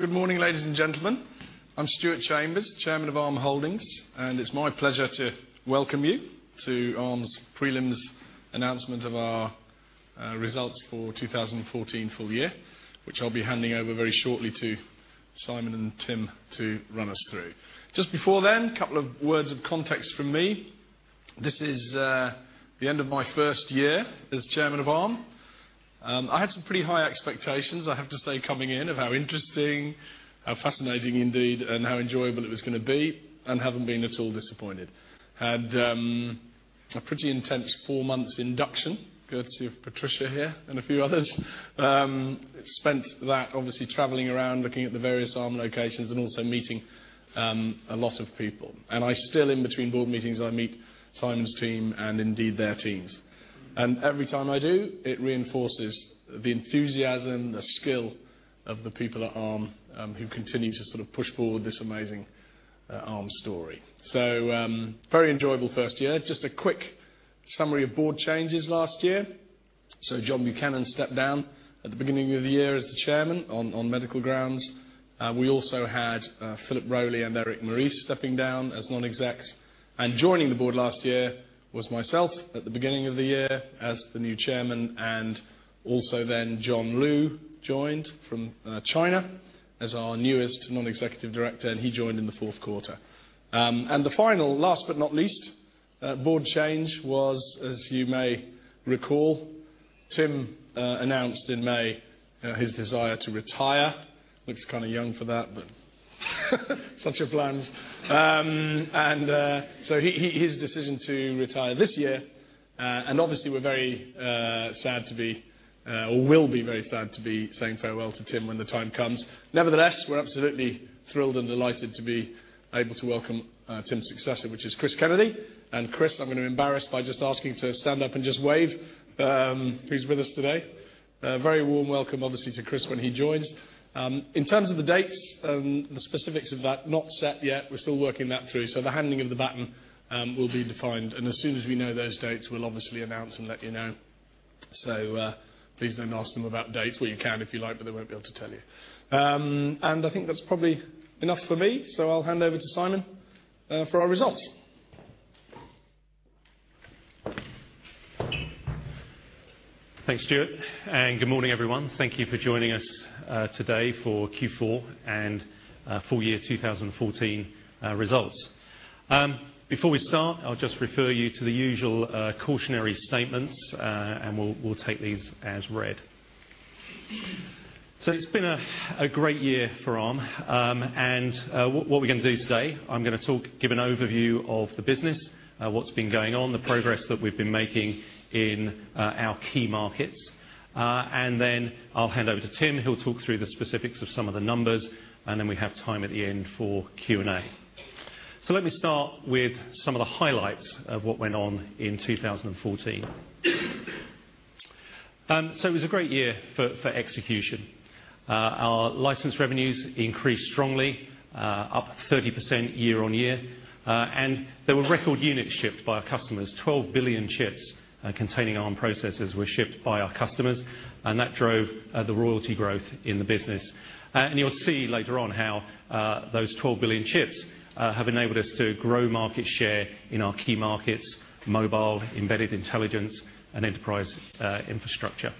Good morning, ladies and gentlemen. I'm Stuart Chambers, Chairman of Arm Holdings, and it's my pleasure to welcome you to Arm's prelims announcement of our results for 2014 full year, which I'll be handing over very shortly to Simon and Tim to run us through. Just before then, a couple of words of context from me. This is the end of my first year as Chairman of Arm. I had some pretty high expectations, I have to say, coming in, of how interesting, how fascinating indeed, and how enjoyable it was going to be, and haven't been at all disappointed. Had a pretty intense four months induction, courtesy of Patricia here and a few others. Spent that obviously traveling around, looking at the various Arm locations and also meeting a lot of people. I still, in between board meetings, I meet Simon's team and indeed their teams. Every time I do, it reinforces the enthusiasm, the skill of the people at Arm who continue to sort of push forward this amazing Arm story. Very enjoyable first year. Just a quick summary of board changes last year. John Buchanan stepped down at the beginning of the year as the Chairman on medical grounds. We also had Philip Rowley and Eric Meurice stepping down as non-execs. Joining the board last year was myself, at the beginning of the year as the new Chairman, and also then John Liu joined from China as our newest Non-Executive Director, and he joined in the fourth quarter. The final, last but not least, board change was, as you may recall, Tim announced in May his desire to retire. Looks kind of young for that, but such are plans. His decision to retire this year. Obviously we're very sad to be, or will be very sad to be saying farewell to Tim when the time comes. Nevertheless, we're absolutely thrilled and delighted to be able to welcome Tim's successor, which is Chris Kennedy. Chris, I'm going to embarrass by just asking to stand up and just wave. He's with us today. A very warm welcome, obviously, to Chris when he joins. In terms of the dates, the specifics of that, not set yet. We're still working that through. The handing of the baton will be defined, and as soon as we know those dates, we'll obviously announce and let you know. Please don't ask them about dates. Well, you can if you like, but they won't be able to tell you. I think that's probably enough from me. I'll hand over to Simon for our results. Thanks, Stuart, and good morning, everyone. Thank you for joining us today for Q4 and full year 2014 results. Before we start, I'll just refer you to the usual cautionary statements, and we'll take these as read. It's been a great year for Arm. What we're going to do today, I'm going to talk, give an overview of the business, what's been going on, the progress that we've been making in our key markets. I'll hand over to Tim, who'll talk through the specifics of some of the numbers. We have time at the end for Q&A. Let me start with some of the highlights of what went on in 2014. It was a great year for execution. Our license revenues increased strongly, up 30% year-on-year. There were record units shipped by our customers. 12 billion chips containing Arm processors were shipped by our customers. That drove the royalty growth in the business. You'll see later on how those 12 billion chips have enabled us to grow market share in our key markets: mobile, embedded intelligence and enterprise infrastructure.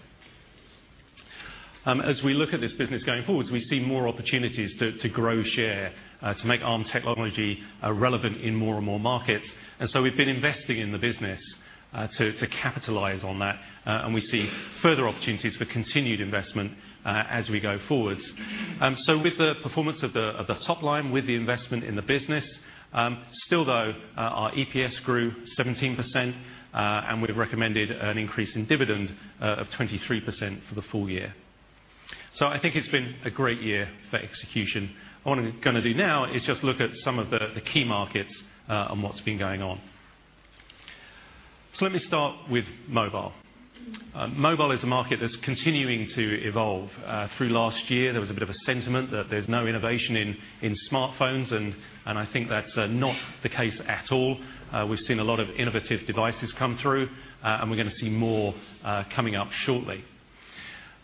As we look at this business going forwards, we see more opportunities to grow share, to make Arm technology relevant in more and more markets. We've been investing in the business to capitalize on that. We see further opportunities for continued investment as we go forwards. With the performance of the top line, with the investment in the business, still though, our EPS grew 17%, and we've recommended an increase in dividend of 23% for the full year. I think it's been a great year for execution. What I'm going to do now is just look at some of the key markets and what's been going on. Let me start with mobile. Mobile is a market that's continuing to evolve. Through last year, there was a bit of a sentiment that there's no innovation in smartphones, and I think that's not the case at all. We've seen a lot of innovative devices come through, and we're going to see more coming up shortly.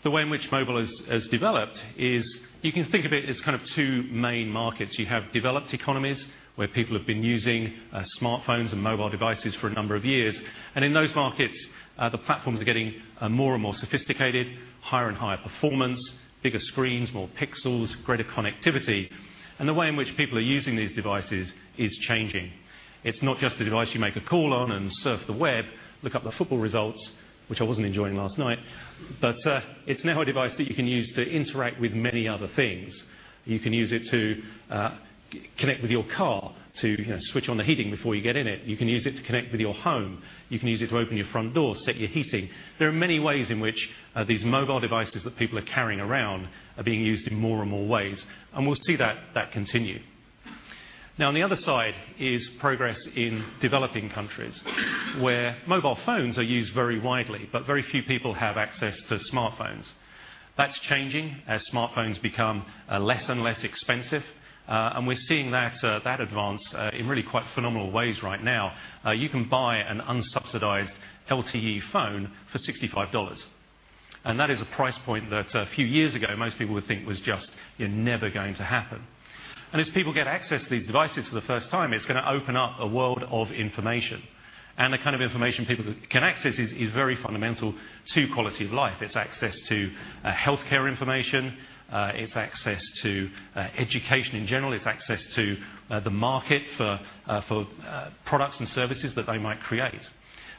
The way in which mobile has developed is you can think of it as kind of two main markets. You have developed economies where people have been using smartphones and mobile devices for a number of years. In those markets, the platforms are getting more and more sophisticated, higher and higher performance, bigger screens, more pixels, greater connectivity. The way in which people are using these devices is changing. It's not just a device you make a call on and surf the web, look up the football results, which I wasn't enjoying last night. It's now a device that you can use to interact with many other things. You can use it to connect with your car to switch on the heating before you get in it. You can use it to connect with your home. You can use it to open your front door, set your heating. There are many ways in which these mobile devices that people are carrying around are being used in more and more ways, and we'll see that continue. On the other side is progress in developing countries where mobile phones are used very widely, but very few people have access to smartphones. That's changing as smartphones become less and less expensive. We're seeing that advance in really quite phenomenal ways right now. You can buy an unsubsidized LTE phone for GBP 65. That is a price point that a few years ago, most people would think was just never going to happen. As people get access to these devices for the first time, it's going to open up a world of information. The kind of information people can access is very fundamental to quality of life. It's access to healthcare information. It's access to education in general. It's access to the market for products and services that they might create.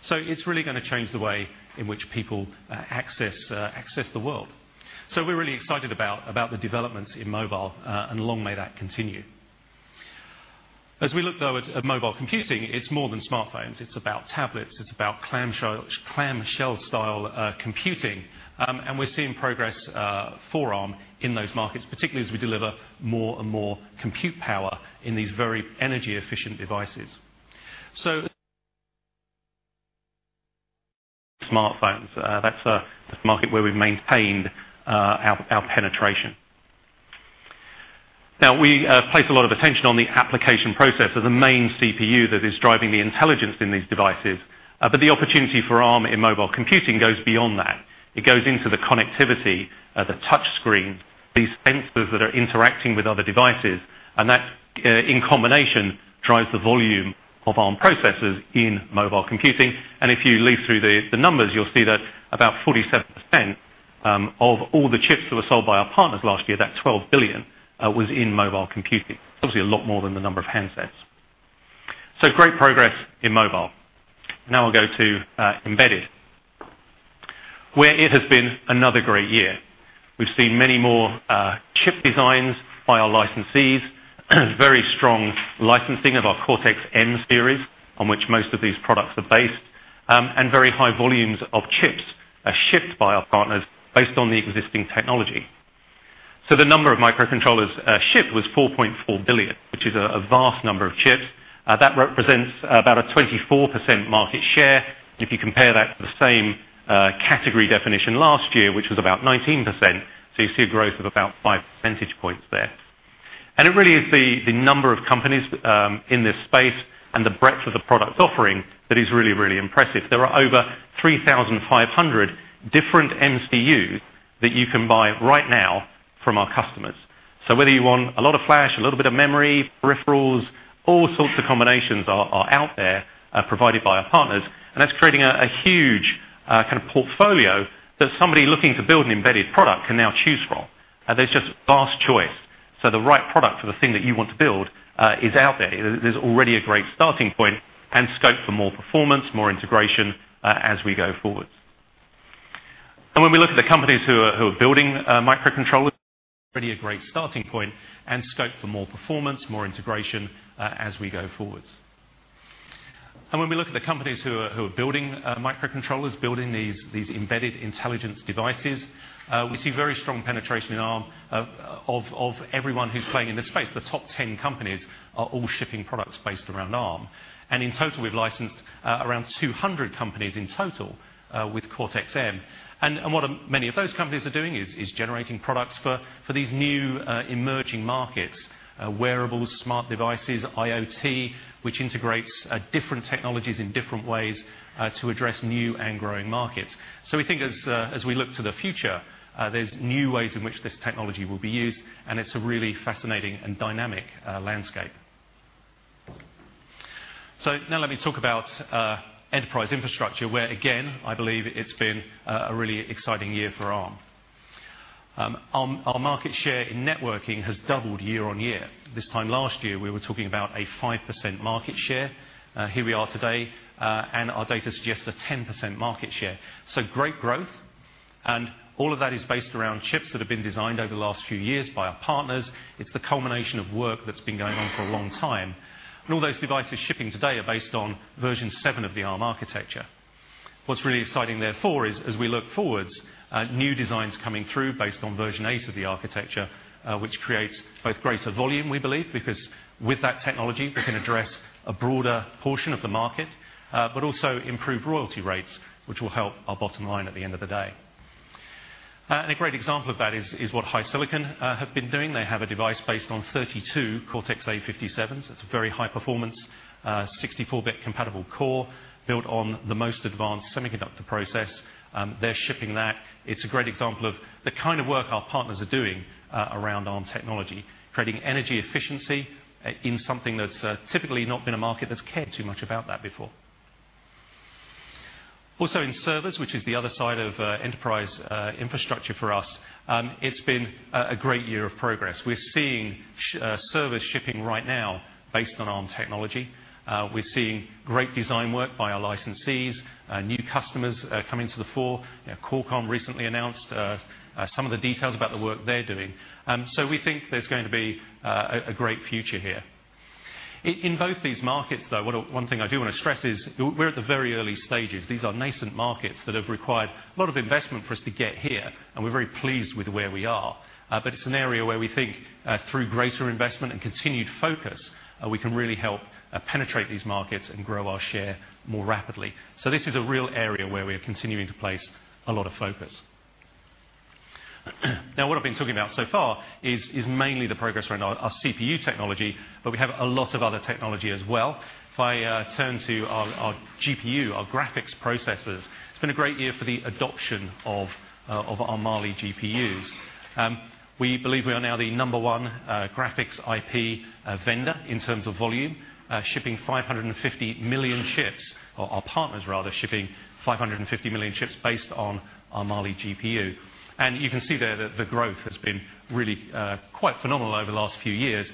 It's really going to change the way in which people access the world. We're really excited about the developments in mobile, and long may that continue. As we look, though, at mobile computing, it's more than smartphones. It's about tablets, it's about clamshell-style computing. We're seeing progress for Arm in those markets, particularly as we deliver more and more compute power in these very energy-efficient devices. Smartphones, that's a market where we've maintained our penetration. We place a lot of attention on the application processor, the main CPU that is driving the intelligence in these devices. The opportunity for Arm in mobile computing goes beyond that. It goes into the connectivity, the touch screen, these sensors that are interacting with other devices. That, in combination, drives the volume of Arm processors in mobile computing. If you leaf through the numbers, you'll see that about 47% of all the chips that were sold by our partners last year, that 12 billion, was in mobile computing. Obviously, a lot more than the number of handsets. Great progress in mobile. We'll go to embedded, where it has been another great year. We've seen many more chip designs by our licensees, very strong licensing of our Cortex-M series on which most of these products are based, and very high volumes of chips are shipped by our partners based on the existing technology. The number of microcontrollers shipped was 4.4 billion, which is a vast number of chips. That represents about a 24% market share. If you compare that to the same category definition last year, which was about 19%, you see a growth of about five percentage points there. It really is the number of companies in this space and the breadth of the product offering that is really, really impressive. There are over 3,500 different MCUs that you can buy right now from our customers. Whether you want a lot of flash, a little bit of memory, peripherals, all sorts of combinations are out there provided by our partners, and that's creating a huge kind of portfolio that somebody looking to build an embedded product can now choose from. There's just vast choice. The right product for the thing that you want to build is out there. There's already a great starting point and scope for more performance, more integration as we go forward. When we look at the companies who are building microcontrollers, building these embedded intelligence devices, we see very strong penetration in Arm of everyone who's playing in this space. The top 10 companies are all shipping products based around Arm. In total, we've licensed around 200 companies in total with Cortex-M. What many of those companies are doing is generating products for these new emerging markets, wearables, smart devices, IoT, which integrates different technologies in different ways to address new and growing markets. We think as we look to the future, there's new ways in which this technology will be used, and it's a really fascinating and dynamic landscape. Now let me talk about enterprise infrastructure, where again, I believe it's been a really exciting year for Arm. Our market share in networking has doubled year-over-year. This time last year, we were talking about a 5% market share. Here we are today, and our data suggests a 10% market share. Great growth. All of that is based around chips that have been designed over the last few years by our partners. It's the culmination of work that's been going on for a long time. All those devices shipping today are based on version 7 of the Arm architecture. What's really exciting, therefore, is as we look forwards at new designs coming through based on version 8 of the architecture, which creates both greater volume, we believe, because with that technology, we can address a broader portion of the market, but also improve royalty rates, which will help our bottom line at the end of the day. A great example of that is what HiSilicon have been doing. They have a device based on 32 Cortex-A57s. It's a very high-performance, 64-bit compatible core built on the most advanced semiconductor process. They're shipping that. It's a great example of the kind of work our partners are doing around Arm technology, creating energy efficiency in something that's typically not been a market that's cared too much about that before. Also in servers, which is the other side of enterprise infrastructure for us, it's been a great year of progress. We're seeing servers shipping right now based on Arm technology. We're seeing great design work by our licensees. New customers coming to the fore. Qualcomm recently announced some of the details about the work they're doing. We think there's going to be a great future here. In both these markets, though, one thing I do want to stress is we're at the very early stages. These are nascent markets that have required a lot of investment for us to get here, and we're very pleased with where we are. It's an area where we think through greater investment and continued focus, we can really help penetrate these markets and grow our share more rapidly. This is a real area where we are continuing to place a lot of focus. What I've been talking about so far is mainly the progress around our CPU technology, but we have a lot of other technology as well. If I turn to our GPU, our graphics processors, it's been a great year for the adoption of our Mali GPUs. We believe we are now the number 1 graphics IP vendor in terms of volume, shipping 550 million chips, or our partners rather, shipping 550 million chips based on our Mali GPU. You can see there that the growth has been really quite phenomenal over the last few years.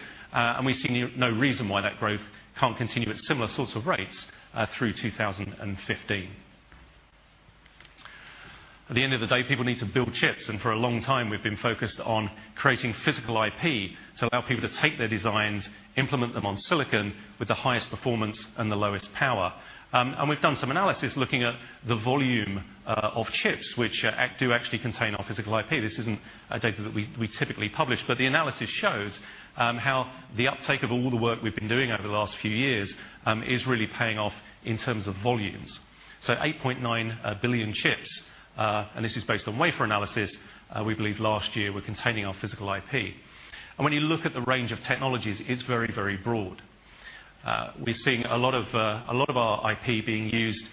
We see no reason why that growth can't continue at similar sorts of rates through 2015. At the end of the day, people need to build chips, and for a long time, we've been focused on creating physical IP to allow people to take their designs, implement them on silicon with the highest performance and the lowest power. We've done some analysis looking at the volume of chips, which do actually contain our physical IP. This isn't data that we typically publish, but the analysis shows how the uptake of all the work we've been doing over the last few years is really paying off in terms of volumes. 8.9 billion chips, and this is based on wafer analysis, we believe last year, were containing our physical IP. When you look at the range of technologies, it's very broad. We're seeing a lot of our IP being used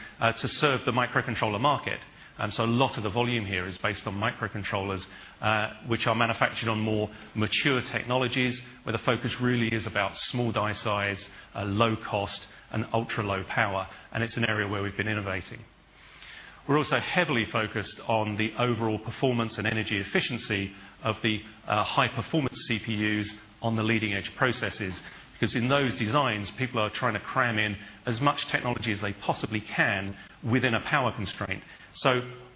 to serve the microcontroller market. A lot of the volume here is based on microcontrollers, which are manufactured on more mature technologies, where the focus really is about small die size, low cost, and ultra-low power. It's an area where we've been innovating. We're also heavily focused on the overall performance and energy efficiency of the high-performance CPUs on the leading-edge processes. Because in those designs, people are trying to cram in as much technology as they possibly can within a power constraint.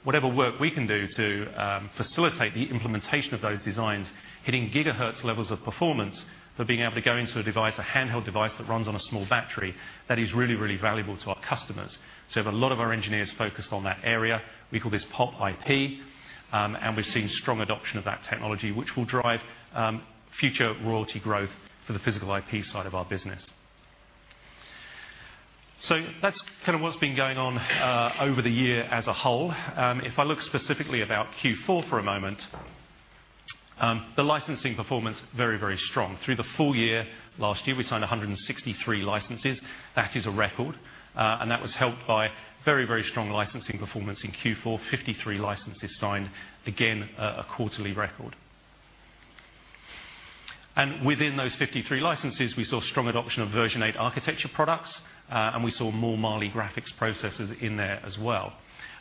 Whatever work we can do to facilitate the implementation of those designs, hitting gigahertz levels of performance, for being able to go into a device, a handheld device that runs on a small battery, that is really valuable to our customers. We have a lot of our engineers focused on that area. We call this POP IP. We're seeing strong adoption of that technology, which will drive future royalty growth for the physical IP side of our business. That's kind of what's been going on over the year as a whole. If I look specifically about Q4 for a moment, the licensing performance, very strong. Through the full year last year, we signed 163 licenses. That is a record. That was helped by very strong licensing performance in Q4, 53 licenses signed, again, a quarterly record. Within those 53 licenses, we saw strong adoption of version 8 architecture products, and we saw more Mali graphics processors in there as well.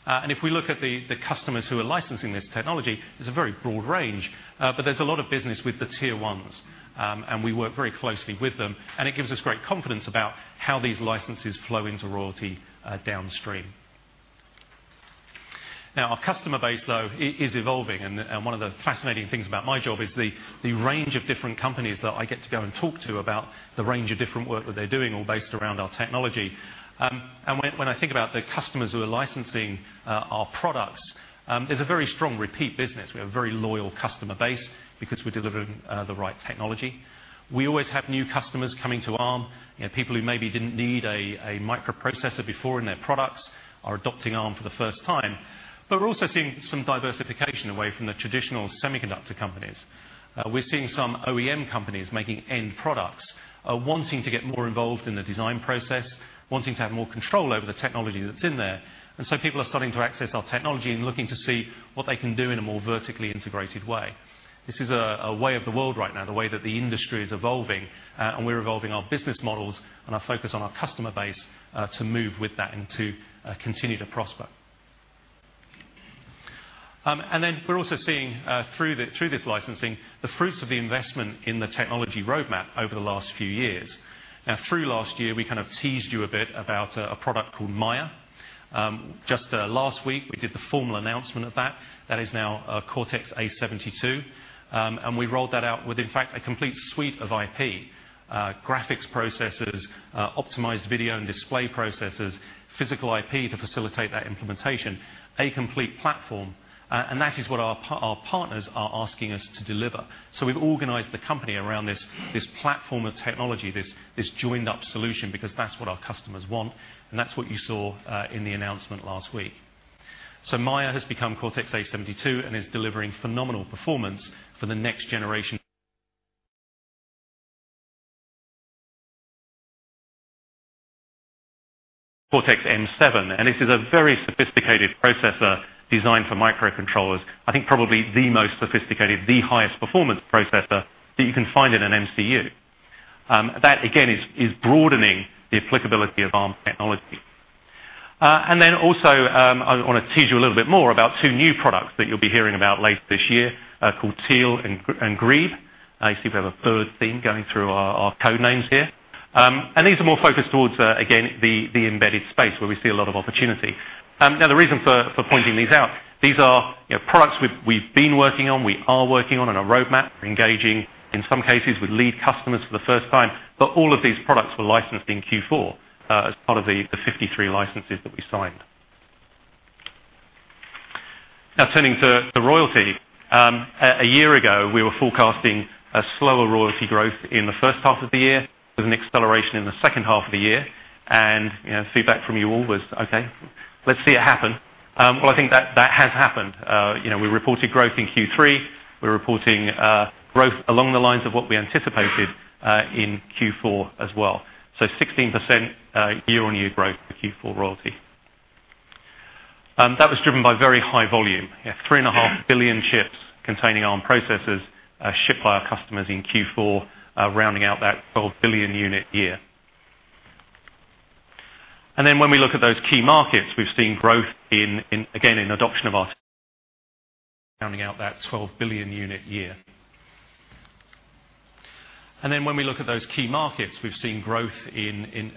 If we look at the customers who are licensing this technology, it's a very broad range. There's a lot of business with the tier 1s. We work very closely with them, and it gives us great confidence about how these licenses flow into royalty downstream. Now, our customer base, though, is evolving, and one of the fascinating things about my job is the range of different companies that I get to go and talk to about the range of different work that they're doing all based around our technology. When I think about the customers who are licensing our products, there's a very strong repeat business. We have a very loyal customer base because we're delivering the right technology. We always have new customers coming to Arm, people who maybe didn't need a microprocessor before in their products are adopting Arm for the first time. We're also seeing some diversification away from the traditional semiconductor companies. We're seeing some OEM companies making end products wanting to get more involved in the design process, wanting to have more control over the technology that's in there. People are starting to access our technology and looking to see what they can do in a more vertically integrated way. This is a way of the world right now, the way that the industry is evolving, and we're evolving our business models and our focus on our customer base to move with that and to continue to prosper. We're also seeing through this licensing, the fruits of the investment in the technology roadmap over the last few years. Now, through last year, we kind of teased you a bit about a product called Maya. Just last week, we did the formal announcement of that. That is now Cortex-A72. We rolled that out with, in fact, a complete suite of IP, graphics processors, optimized video and display processors, physical IP to facilitate that implementation, a complete platform. That is what our partners are asking us to deliver. We've organized the company around this platform of technology, this joined-up solution, because that's what our customers want, and that's what you saw in the announcement last week. Maya has become Cortex-A72 and is delivering phenomenal performance for the next generation. Cortex-M7, this is a very sophisticated processor designed for microcontrollers. I think probably the most sophisticated, the highest performance processor that you can find in an MCU. That again, is broadening the applicability of Arm technology. Then also, I want to tease you a little bit more about two new products that you'll be hearing about later this year, called Teal and Green. You see we have a bird theme going through our code names here. These are more focused towards, again, the embedded space where we see a lot of opportunity. Now, the reason for pointing these out, these are products we've been working on, we are working on a roadmap. We're engaging, in some cases, with lead customers for the first time. All of these products were licensed in Q4 as part of the 53 licenses that we signed. Now, turning to the royalty. A year ago, we were forecasting a slower royalty growth in the first half of the year with an acceleration in the second half of the year. Feedback from you all was, "Okay." Let's see it happen. I think that has happened. We reported growth in Q3. We're reporting growth along the lines of what we anticipated in Q4 as well. 16% year-on-year growth for Q4 royalty. That was driven by very high volume. We have 3.5 billion chips containing Arm processors shipped by our customers in Q4, rounding out that 12 billion unit year. When we look at those key markets, we've seen growth,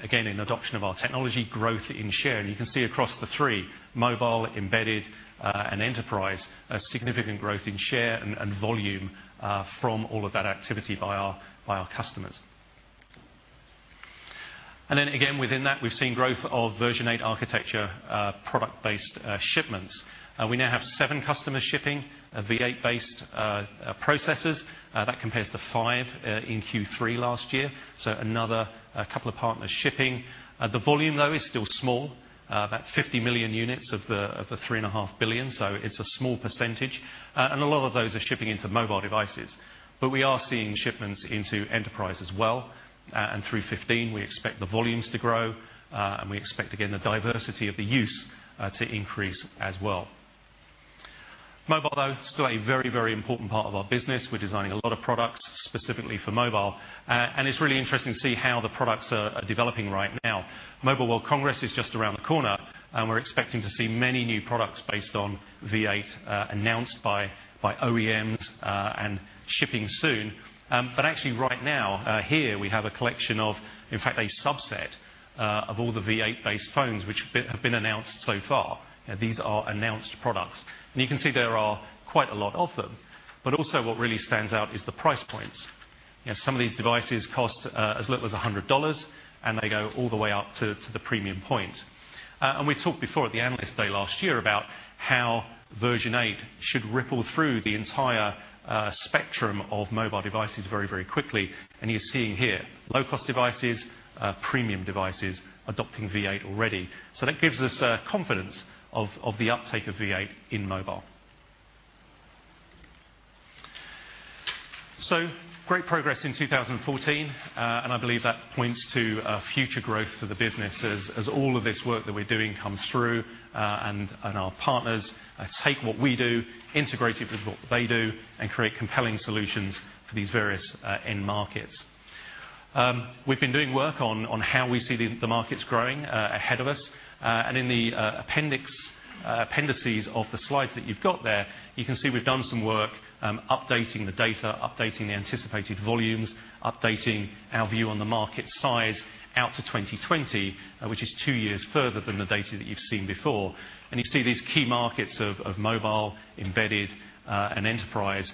again, in adoption of our technology, growth in share. You can see across the three, mobile, embedded, and enterprise, a significant growth in share and volume from all of that activity by our customers. Again, within that, we've seen growth of version 8 architecture, product-based shipments. We now have seven customers shipping V8-based processors. That compares to five in Q3 last year. Another couple of partners shipping. The volume though is still small, about 50 million units of the 3.5 billion, so it's a small percentage. A lot of those are shipping into mobile devices. We are seeing shipments into enterprise as well, and through 2015, we expect the volumes to grow, and we expect, again, the diversity of the use to increase as well. Mobile, though, still a very, very important part of our business. We're designing a lot of products specifically for mobile. It's really interesting to see how the products are developing right now. Mobile World Congress is just around the corner, and we're expecting to see many new products based on V8 announced by OEMs and shipping soon. Actually right now, here we have a collection of, in fact, a subset of all the V8-based phones which have been announced so far. These are announced products. You can see there are quite a lot of them. Also what really stands out is the price points. Some of these devices cost as little as GBP 100, and they go all the way up to the premium point. We talked before at the Analyst Day last year about how version 8 should ripple through the entire spectrum of mobile devices very, very quickly. You're seeing here low-cost devices, premium devices adopting V8 already. That gives us confidence of the uptake of V8 in mobile. Great progress in 2014. I believe that points to future growth for the business as all of this work that we're doing comes through, and our partners take what we do, integrate it with what they do, and create compelling solutions for these various end markets. We've been doing work on how we see the markets growing ahead of us. In the appendices of the slides that you've got there, you can see we've done some work updating the data, updating the anticipated volumes, updating our view on the market size out to 2020, which is two years further than the data that you've seen before. You see these key markets of mobile, embedded, and enterprise.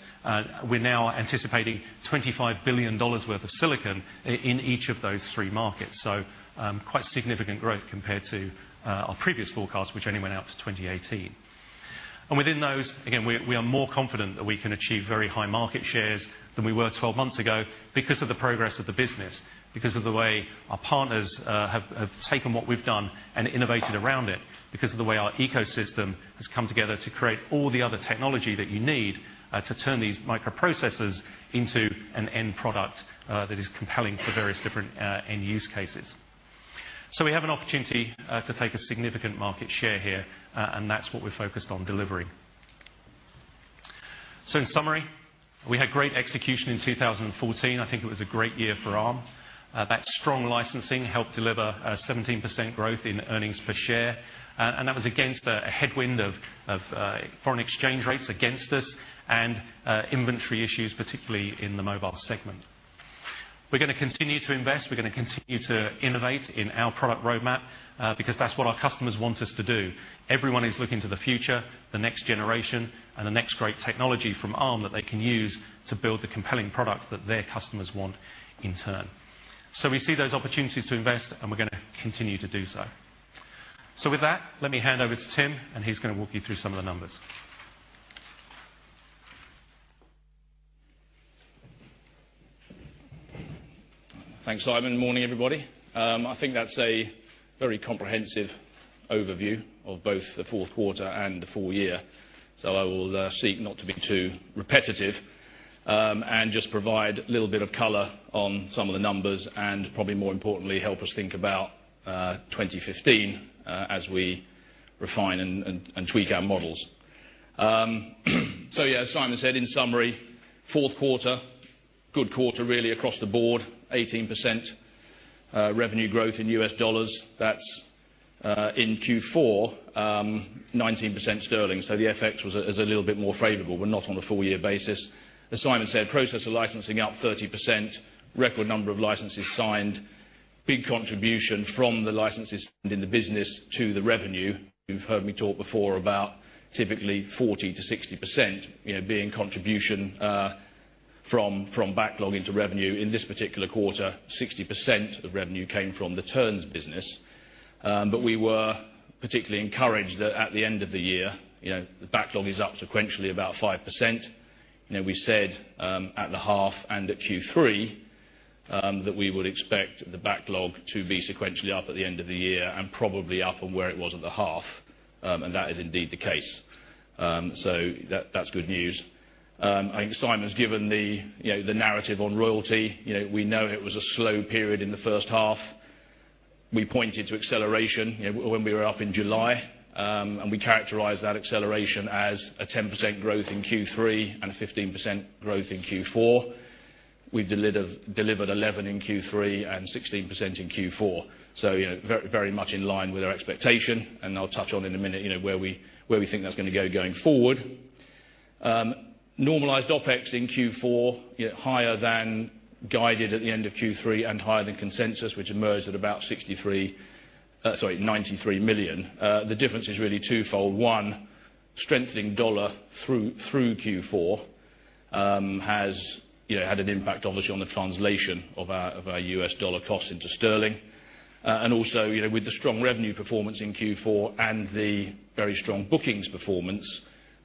We're now anticipating GBP 25 billion worth of silicon in each of those three markets. Quite significant growth compared to our previous forecast, which only went out to 2018. Within those, again, we are more confident that we can achieve very high market shares than we were 12 months ago because of the progress of the business, because of the way our partners have taken what we've done and innovated around it, because of the way our ecosystem has come together to create all the other technology that you need to turn these microprocessors into an end product that is compelling for various different end-use cases. We have an opportunity to take a significant market share here, and that's what we're focused on delivering. In summary, we had great execution in 2014. I think it was a great year for Arm. That strong licensing helped deliver a 17% growth in earnings per share. That was against a headwind of foreign exchange rates against us and inventory issues, particularly in the mobile segment. We're going to continue to invest. We're going to continue to innovate in our product roadmap, because that's what our customers want us to do. Everyone is looking to the future, the next generation, and the next great technology from Arm that they can use to build the compelling products that their customers want in turn. We see those opportunities to invest, and we're going to continue to do so. With that, let me hand over to Tim, and he's going to walk you through some of the numbers. Thanks, Simon. Morning, everybody. I think that's a very comprehensive overview of both the fourth quarter and the full year. I will seek not to be too repetitive, and just provide a little bit of color on some of the numbers and probably more importantly, help us think about 2015 as we refine and tweak our models. As Simon said, in summary, fourth quarter, good quarter really across the board. 18% revenue growth in US dollars. That's in Q4. 19% GBP, so the FX is a little bit more favorable, but not on a full year basis. As Simon said, processor licensing up 30%, record number of licenses signed, big contribution from the licenses signed in the business to the revenue. You've heard me talk before about typically 40%-60% being contribution from backlog into revenue. In this particular quarter, 60% of revenue came from the turns business. We were particularly encouraged that at the end of the year, the backlog is up sequentially about 5%. We said at the half and at Q3 that we would expect the backlog to be sequentially up at the end of the year and probably up from where it was at the half, and that is indeed the case. That's good news. I think Simon's given the narrative on royalty. We know it was a slow period in the first half. We pointed to acceleration when we were up in July, and we characterized that acceleration as a 10% growth in Q3 and a 15% growth in Q4. We delivered 11% in Q3 and 16% in Q4. Very much in line with our expectation, and I'll touch on in a minute where we think that's going to go going forward. Normalized OpEx in Q4, higher than guided at the end of Q3 and higher than consensus, which emerged at about 93 million. The difference is really twofold. One, strengthening dollar through Q4 has had an impact, obviously, on the translation of our US dollar cost into GBP. Also, with the strong revenue performance in Q4 and the very strong bookings performance,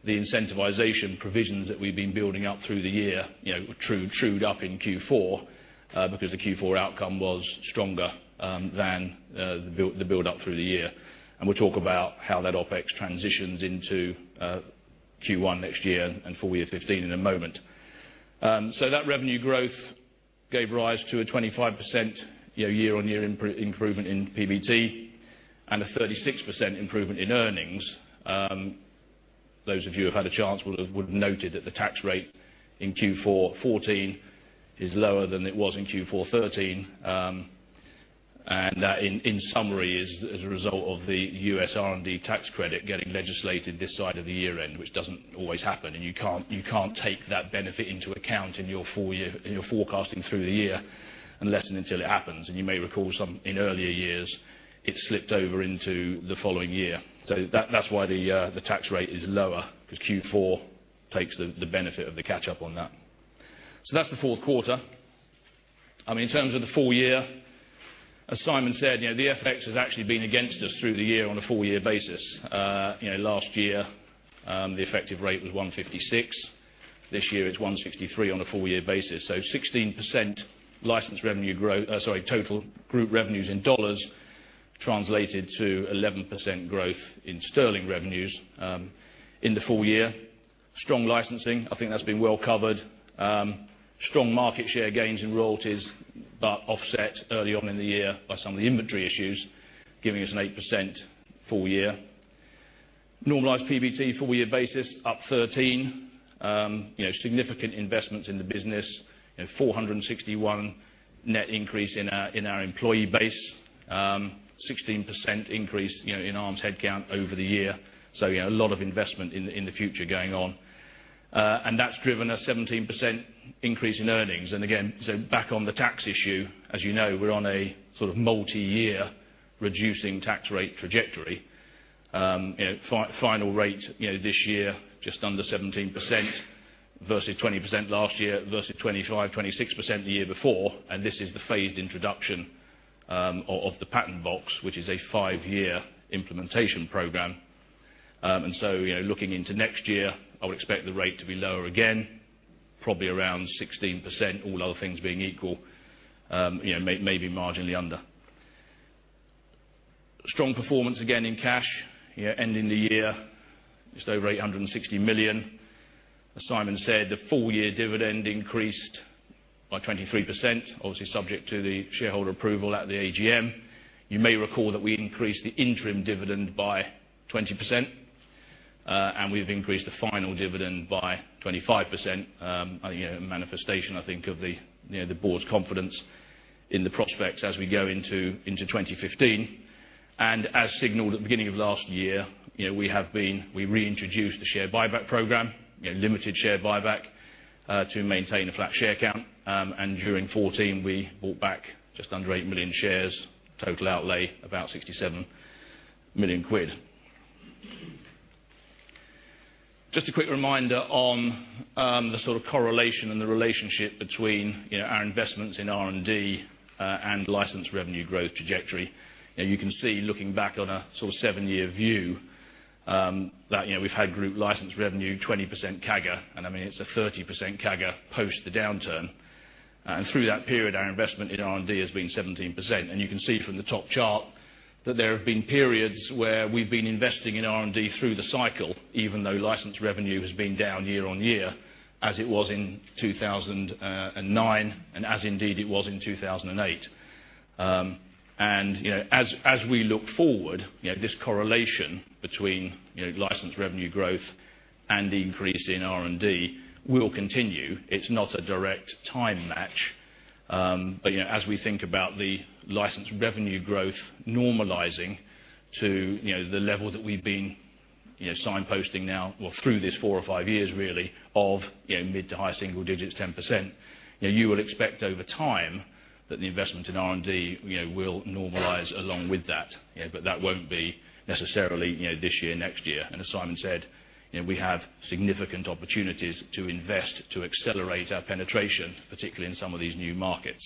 the incentivization provisions that we've been building up through the year trued up in Q4 because the Q4 outcome was stronger than the build up through the year. We'll talk about how that OpEx transitions into Q1 next year and full year 2015 in a moment. That revenue growth gave rise to a 25% year-on-year improvement in PBT and a 36% improvement in earnings. Those of you who had a chance would have noted that the tax rate in Q4 2014 is lower than it was in Q4 2013. That, in summary, is as a result of the U.S. R&D Tax Credit getting legislated this side of the year-end, which doesn't always happen and you can't take that benefit into account in your forecasting through the year unless and until it happens. You may recall some in earlier years, it slipped over into the following year. That's why the tax rate is lower, because Q4 takes the benefit of the catch-up on that. That's the fourth quarter. In terms of the full year, as Simon said, the FX has actually been against us through the year on a full year basis. Last year the effective rate was 156. This year it's 163 on a full year basis. 16% total group revenues in USD translated to 11% growth in GBP revenues in the full year. Strong licensing, I think that's been well covered. Strong market share gains in royalties, offset early on in the year by some of the inventory issues, giving us an 8% full year. Normalized PBT full year basis up 13%. Significant investments in the business at 461 net increase in our employee base, 16% increase in Arm's headcount over the year. A lot of investment in the future going on. That's driven a 17% increase in earnings. Back on the tax issue, as you know, we're on a sort of multi-year reducing tax rate trajectory. Final rate this year, just under 17% versus 20% last year versus 25%-26% the year before. This is the phased introduction of the Patent Box, which is a five-year implementation program. Looking into next year, I would expect the rate to be lower again, probably around 16%, all other things being equal. Maybe marginally under. Strong performance again in cash, ending the year just over 860 million. As Simon said, the full year dividend increased by 23%, obviously subject to the shareholder approval at the AGM. You may recall that we increased the interim dividend by 20%, we've increased the final dividend by 25%. A manifestation, I think, of the board's confidence in the prospects as we go into 2015. As signaled at the beginning of last year, we reintroduced the share buyback program, limited share buyback to maintain a flat share count. During 2014, we bought back just under 8 million shares. Total outlay, about 67 million quid. Just a quick reminder on the sort of correlation and the relationship between our investments in R&D and license revenue growth trajectory. You can see, looking back on a sort of seven-year view, that we've had group license revenue 20% CAGR. It's a 30% CAGR post the downturn. Through that period, our investment in R&D has been 17%. You can see from the top chart that there have been periods where we've been investing in R&D through the cycle, even though license revenue has been down year-on-year, as it was in 2009, and as indeed it was in 2008. As we look forward, this correlation between license revenue growth and the increase in R&D will continue. It's not a direct time match. As we think about the license revenue growth normalizing to the level that we've been signposting now or through these four or five years, really, of mid to high single digits, 10%, you would expect over time that the investment in R&D will normalize along with that. That won't be necessarily this year, next year. As Simon said, we have significant opportunities to invest to accelerate our penetration, particularly in some of these new markets.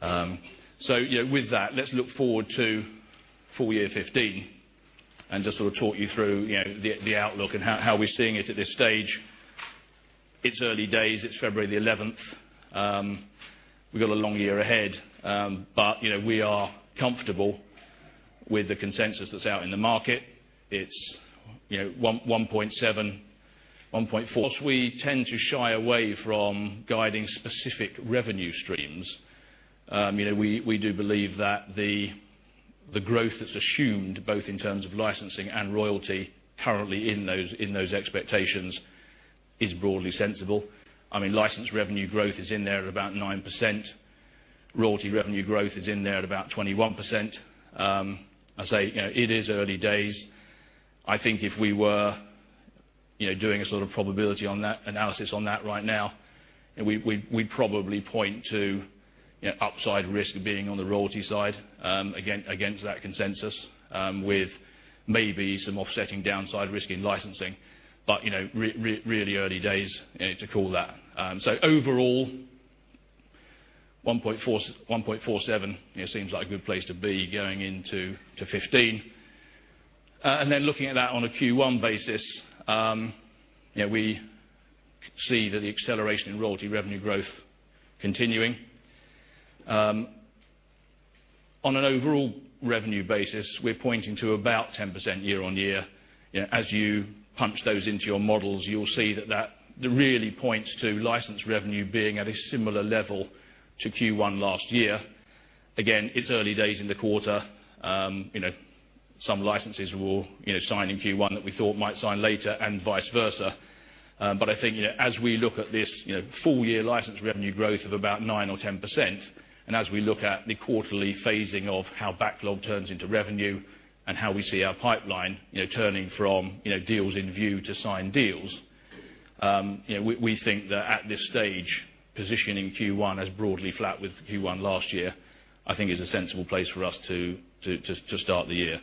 With that, let's look forward to full year 2015. Just sort of talk you through the outlook and how we're seeing it at this stage. It's early days. It's February the 11th. We've got a long year ahead. We are comfortable with the consensus that's out in the market. It's 1.7, 1.4. We tend to shy away from guiding specific revenue streams. We do believe that the growth that's assumed, both in terms of licensing and royalty currently in those expectations, is broadly sensible. License revenue growth is in there at about 9%. Royalty revenue growth is in there at about 21%. I say it is early days. I think if we were doing a sort of probability analysis on that right now, we'd probably point to upside risk being on the royalty side against that consensus, with maybe some offsetting downside risk in licensing. Really early days to call that. Overall, 1.47 billion seems like a good place to be going into 2015. Then looking at that on a Q1 basis, we see that the acceleration in royalty revenue growth continuing. On an overall revenue basis, we're pointing to about 10% year-over-year. As you punch those into your models, you'll see that that really points to license revenue being at a similar level to Q1 last year. Again, it's early days in the quarter. Some licenses will sign in Q1 that we thought might sign later and vice versa. I think, as we look at this full-year license revenue growth of about 9% or 10%, and as we look at the quarterly phasing of how backlog turns into revenue and how we see our pipeline turning from deals in view to signed deals, we think that at this stage, positioning Q1 as broadly flat with Q1 last year, I think is a sensible place for us to start the year.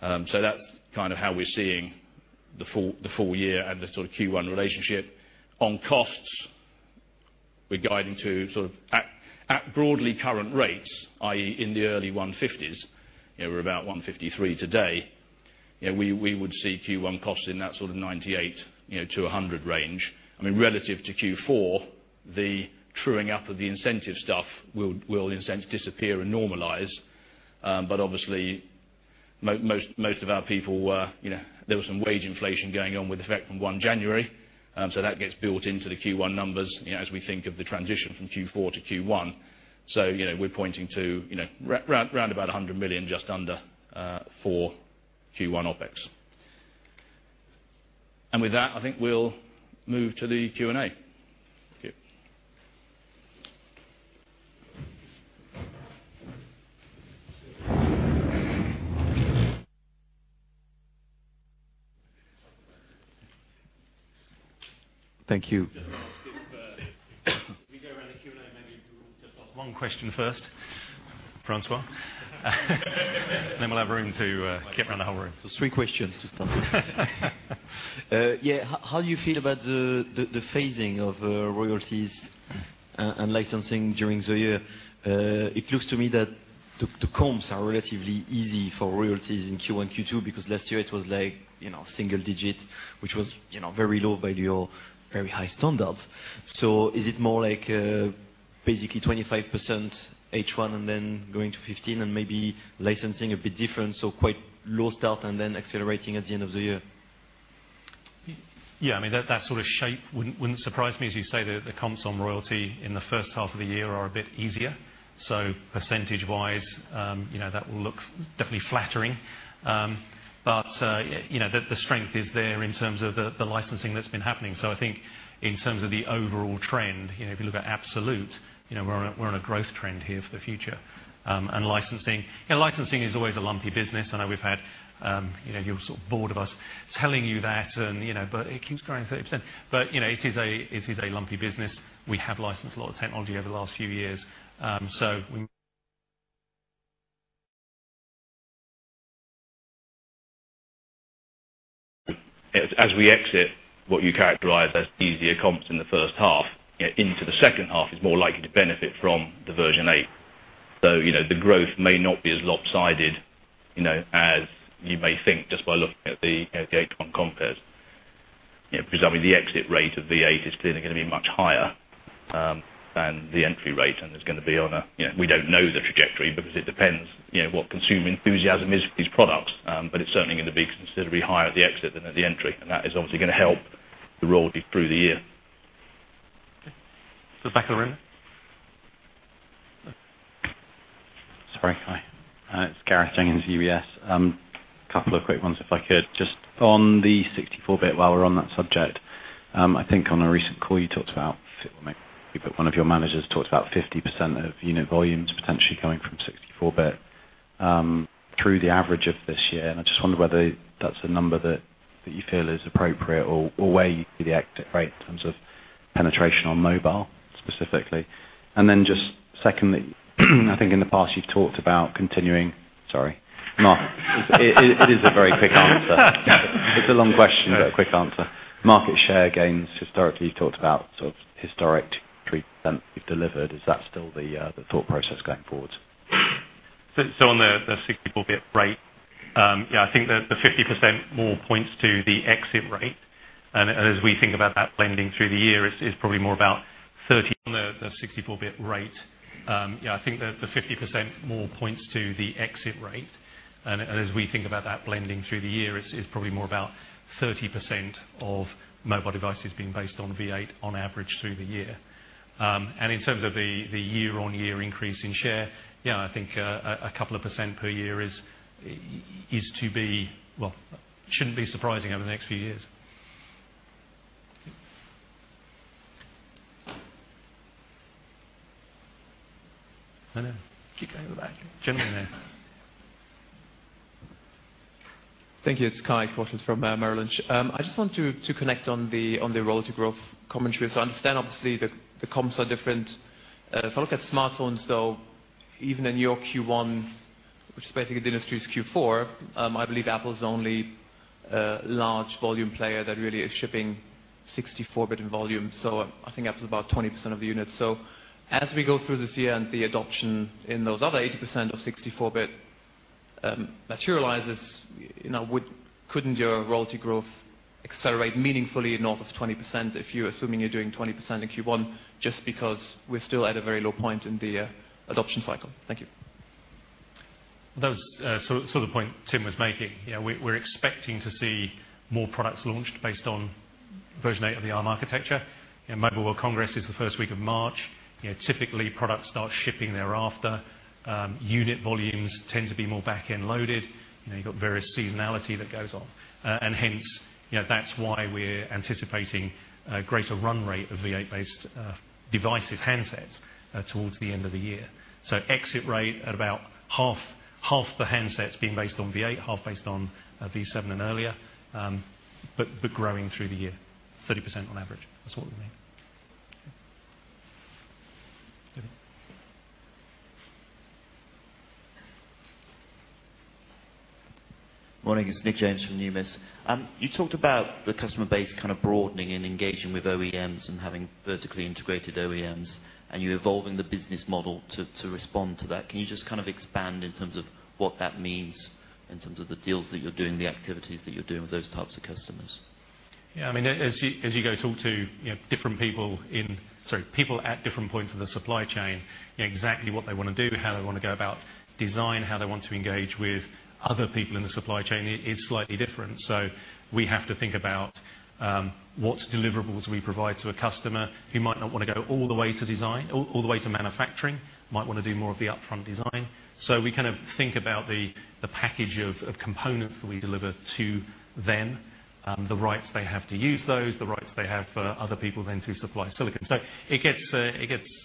That's kind of how we're seeing the full year and the sort of Q1 relationship. On costs, we're guiding to sort of at broadly current rates, i.e., in the early 1.50s. We're about 1.53 today. We would see Q1 costs in that sort of 98 million to 100 million range. Relative to Q4, the truing up of the incentive stuff will in a sense disappear and normalize. Obviously, most of our people there was some wage inflation going on with effect from January 1. That gets built into the Q1 numbers as we think of the transition from Q4 to Q1. We're pointing to round about 100 million, just under, for Q1 OpEx. With that, I think we'll move to the Q&A. Thank you. Thank you. Just ask if we go around the Q&A, maybe if we all just ask one question first, Francois? We'll have room to get around the whole room. Three questions to start with. Yeah. How do you feel about the phasing of royalties and licensing during the year? It looks to me that the comps are relatively easy for royalties in Q1 and Q2, because last year it was like single digit, which was very low by your very high standards. Is it more like basically 25% H1 and then going to 15 and maybe licensing a bit different, so quite low start and then accelerating at the end of the year? Yeah, that sort of shape wouldn't surprise me, as you say, the comps on royalty in the first half of the year are a bit easier. Percentage-wise, that will look definitely flattering. The strength is there in terms of the licensing that's been happening. I think in terms of the overall trend, if you look at absolute, we're on a growth trend here for the future. Licensing is always a lumpy business. I know we've had, you're sort of bored of us telling you that, but it keeps growing 30%. It is a lumpy business. We have licensed a lot of technology over the last few years. As we exit what you characterize as easier comps in the first half, into the second half is more likely to benefit from the version eight. The growth may not be as lopsided as you may think, just by looking at the eight compares. The exit rate of the eight is clearly going to be much higher than the entry rate, and it's going to be on a, we don't know the trajectory because it depends what consumer enthusiasm is for these products. It's certainly going to be considerably higher at the exit than at the entry, and that is obviously going to help the royalty through the year. Okay. Back of the room now. Sorry. Hi, it's Gareth Jenkins, UBS. Couple of quick ones, if I could. Just on the 64-bit while we're on that subject. I think on a recent call you talked about, if it were maybe one of your managers talked about 50% of unit volumes potentially coming from 64-bit through the average of this year. I just wonder whether that's a number that you feel is appropriate or where you see the exit rate in terms of penetration on mobile specifically. Just secondly, I think in the past you've talked about continuing Sorry. No. It is a very quick answer. It's a long question, but a quick answer. Market share gains. Historically, you've talked about historic 3% you've delivered. Is that still the thought process going forward? On the 64-bit rate, I think that the 50% more points to the exit rate. As we think about that blending through the year, is probably more about 30% on the 64-bit rate. I think that the 50% more points to the exit rate. As we think about that blending through the year, is probably more about 30% of mobile devices being based on V8 on average through the year. In terms of the year-on-year increase in share, I think a couple of percent per year shouldn't be surprising over the next few years. Hello. Keep going to the back. Gentleman there. Thank you. It's Kai Korschelt from Merrill Lynch. I just want to connect on the royalty growth commentary. I understand, obviously, the comps are different. If I look at smartphones, though, even in your Q1, which is basically the industry's Q4, I believe Apple's the only large volume player that really is shipping 64-bit volume. I think Apple's about 20% of the units. As we go through this year and the adoption in those other 80% of 64-bit materializes, couldn't your royalty growth accelerate meaningfully north of 20%, if you're assuming you're doing 20% in Q1, just because we're still at a very low point in the adoption cycle? Thank you. The point Tim was making, we're expecting to see more products launched based on version 8 of the Arm architecture. Mobile World Congress is the first week of March. Typically, products start shipping thereafter. Unit volumes tend to be more back-end loaded. You've got various seasonality that goes on. Hence, that's why we're anticipating a greater run rate of V8-based devices handsets towards the end of the year. Exit rate at about half the handsets being based on V8, half based on V7 and earlier, but growing through the year, 30% on average. That's what we mean. David. Morning. It's Nick James from Numis. You talked about the customer base kind of broadening and engaging with OEMs and having vertically integrated OEMs, you evolving the business model to respond to that. Can you just expand in terms of what that means in terms of the deals that you're doing, the activities that you're doing with those types of customers? Yeah. As you go talk to people at different points of the supply chain, exactly what they want to do, how they want to go about design, how they want to engage with other people in the supply chain is slightly different. We have to think about what deliverables we provide to a customer who might not want to go all the way to manufacturing, might want to do more of the upfront design. We kind of think about the package of components that we deliver to them, the rights they have to use those, the rights they have for other people then to supply silicon. It gets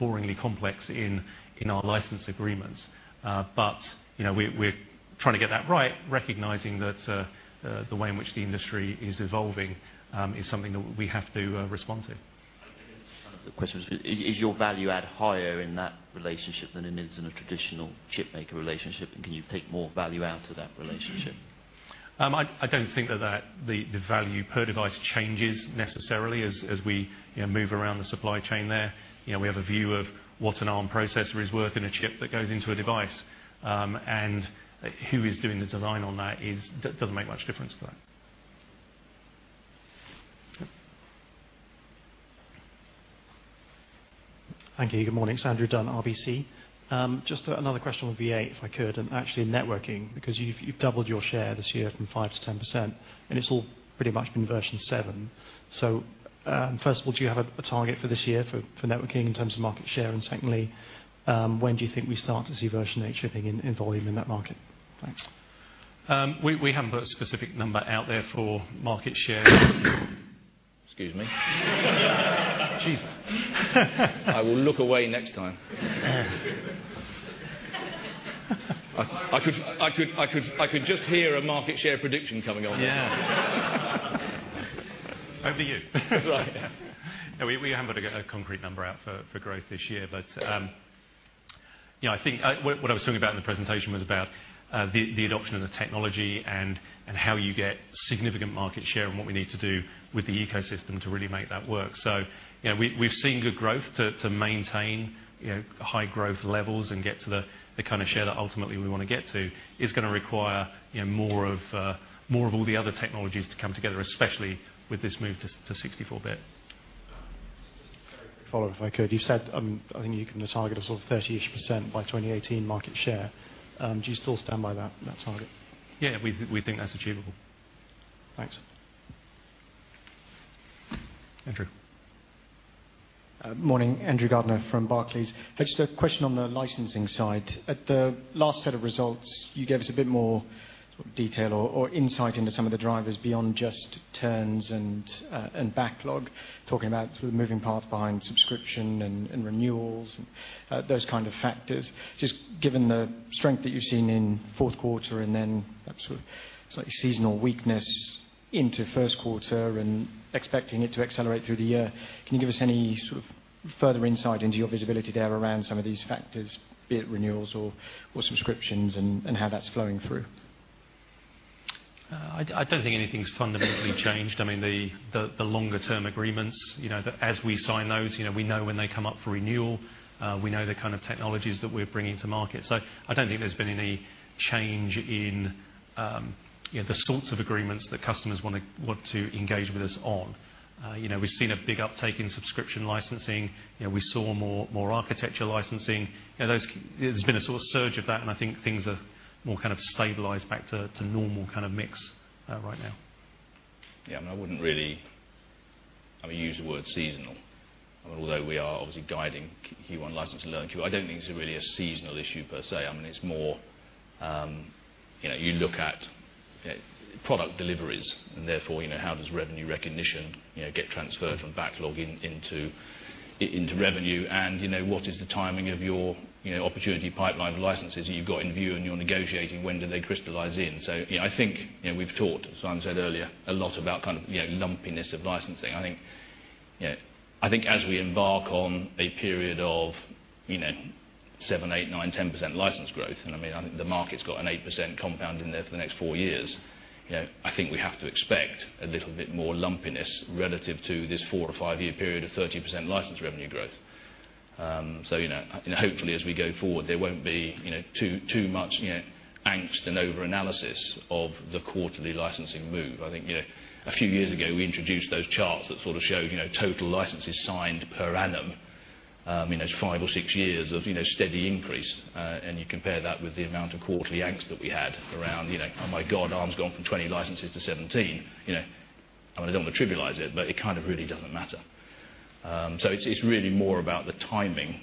boringly complex in our license agreements. We're trying to get that right, recognizing that the way in which the industry is evolving is something that we have to respond to. I guess the question is your value-add higher in that relationship than it is in a traditional chipmaker relationship? Can you take more value out of that relationship? I don't think that the value per device changes necessarily as we move around the supply chain there. We have a view of what an Arm processor is worth in a chip that goes into a device, and who is doing the design on that doesn't make much difference to that. Yep. Thank you. Good morning. It's Andrew Dunn, RBC. Actually networking, because you've doubled your share this year from 5% to 10%, and it's all pretty much been V7. First of all, do you have a target for this year for networking in terms of market share? Secondly, when do you think we start to see V8 shipping in volume in that market? Thanks. We haven't put a specific number out there for market share. Excuse me. Jesus. I will look away next time. I could just hear a market share prediction coming on. Yeah. Over you. That's all right. Yeah. We haven't put a concrete number out for growth this year, but what I was talking about in the presentation was about the adoption of the technology and how you get significant market share and what we need to do with the ecosystem to really make that work. We've seen good growth. To maintain high growth levels and get to the kind of share that ultimately we want to get to is going to require more of all the other technologies to come together, especially with this move to 64-bit. Just a very quick follow-up, if I could. You said, I think you can target a sort of 30-ish% by 2018 market share. Do you still stand by that target? Yeah, we think that's achievable. Thanks. Andrew. Morning. Andrew Gardner from Barclays. A question on the licensing side. At the last set of results, you gave us a bit more detail or insight into some of the drivers beyond just turns and backlog, talking about sort of moving parts behind subscription and renewals and those kind of factors. Given the strength that you've seen in fourth quarter and then perhaps sort of slightly seasonal weakness into first quarter and expecting it to accelerate through the year. Can you give us any sort of further insight into your visibility there around some of these factors, be it renewals or subscriptions and how that's flowing through? I don't think anything's fundamentally changed. I mean, the longer-term agreements, as we sign those, we know when they come up for renewal. We know the kind of technologies that we're bringing to market. I don't think there's been any change in the sorts of agreements that customers want to engage with us on. We've seen a big uptake in subscription licensing. We saw more architecture licensing. There's been a sort of surge of that. I think things are more kind of stabilized back to normal kind of mix right now. I wouldn't really use the word seasonal, although we are obviously guiding Q1 license [inaudible] I don't think it's really a seasonal issue per se. I mean, it's more, you look at product deliveries and therefore, how does revenue recognition get transferred from backlog into revenue and what is the timing of your opportunity pipeline of licenses that you've got in view and you're negotiating, when do they crystallize in? I think we've talked, as Simon said earlier, a lot about kind of lumpiness of licensing. I think as we embark on a period of 7%, 8%, 9%, 10% license growth. I think the market's got an 8% compound in there for the next four years. I think we have to expect a little bit more lumpiness relative to this four- or five-year period of 13% license revenue growth. Hopefully as we go forward, there won't be too much angst and over-analysis of the quarterly licensing move. I think a few years ago, we introduced those charts that sort of showed total licenses signed per annum. I mean, there's five or six years of steady increase. You compare that with the amount of quarterly angst that we had around, "Oh my God, Arm's gone from 20 licenses to 17." I don't want to trivialize it kind of really doesn't matter. It's really more about the timing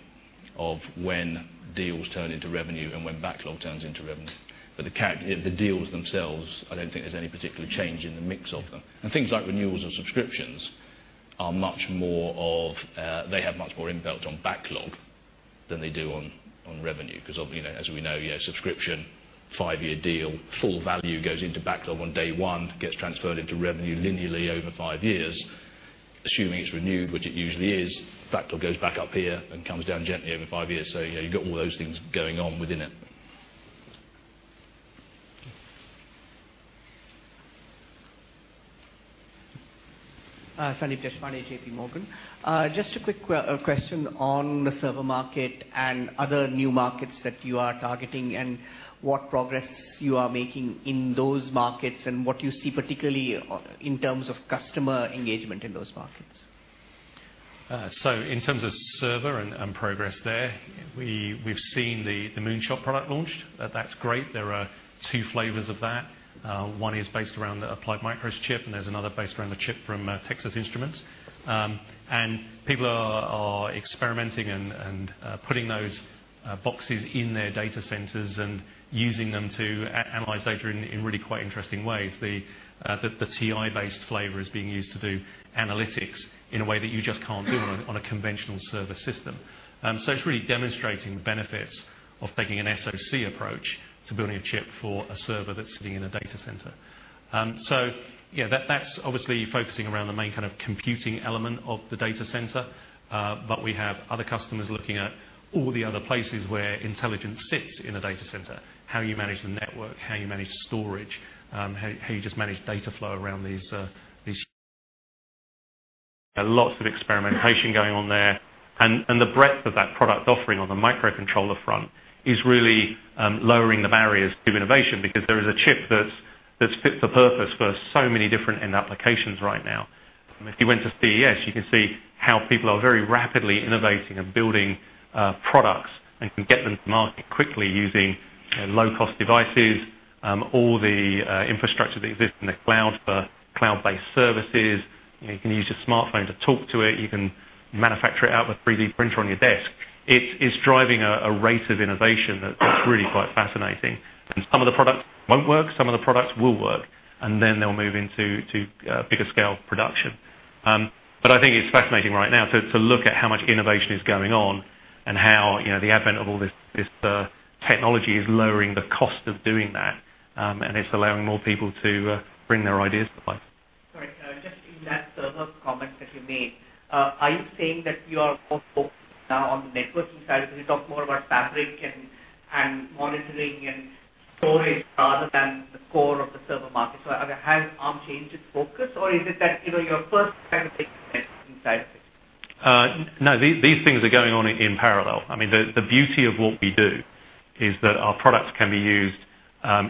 of when deals turn into revenue and when backlog turns into revenue. The deals themselves, I don't think there's any particular change in the mix of them. Things like renewals or subscriptions, they have much more inbuilt on backlog than they do on revenue because as we know, subscription five-year deal, full value goes into backlog on day one, gets transferred into revenue linearly over five years. Assuming it's renewed, which it usually is, backlog goes back up here and comes down gently over five years. You've got all those things going on within it. Sandeep Deshpande, J.P. Morgan. Just a quick question on the server market and other new markets that you are targeting, and what progress you are making in those markets, and what you see particularly in terms of customer engagement in those markets. In terms of server and progress there, we've seen the Moonshot product launched. That's great. There are two flavors of that. One is based around the Applied Micro chip, and there's another based around the chip from Texas Instruments. People are experimenting and putting those boxes in their data centers and using them to analyze data in really quite interesting ways. The TI-based flavor is being used to do analytics in a way that you just can't do on a conventional server system. It's really demonstrating the benefits of taking an SoC approach to building a chip for a server that's sitting in a data center. That's obviously focusing around the main kind of computing element of the data center. We have other customers looking at all the other places where intelligence sits in a data center, how you manage the network, how you manage storage, how you just manage data flow around these. Lots of experimentation going on there. The breadth of that product offering on the microcontroller front is really lowering the barriers to innovation because there is a chip that's fit for purpose for so many different end applications right now. If you went to CES, you can see how people are very rapidly innovating and building products and can get them to market quickly using low-cost devices. All the infrastructure that exists in the cloud for cloud-based services. You can use your smartphone to talk to it. You can manufacture it out with a 3D printer on your desk. It is driving a rate of innovation that's really quite fascinating. Some of the products won't work, some of the products will work, and then they'll move into bigger scale production. I think it's fascinating right now to look at how much innovation is going on and how the advent of all this technology is lowering the cost of doing that, and it's allowing more people to bring their ideas to life. Sorry, just in that server comment that you made, are you saying that you are more focused now on the networking side? You talk more about fabric and monitoring and storage rather than the core of the server market. Has Arm changed its focus, or is it that you're first trying to take the networking side? No, these things are going on in parallel. I mean, the beauty of what we do is that our products can be used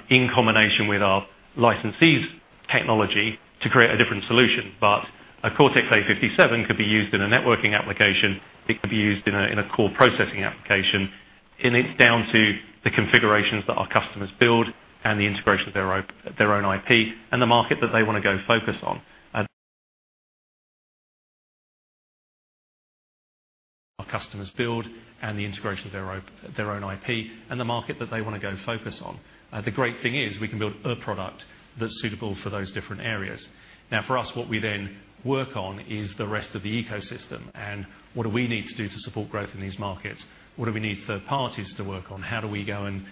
in combination with our licensees' technology to create a different solution. A Cortex-A57 could be used in a networking application. It could be used in a core processing application, and it's down to the configurations that our customers build and the integration of their own IP and the market that they want to go focus on. The great thing is we can build a product that's suitable for those different areas. For us, what we then work on is the rest of the ecosystem and what do we need to do to support growth in these markets? What do we need third parties to work on? How do we go and